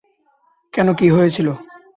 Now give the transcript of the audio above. কেন, কি হয়েছিল?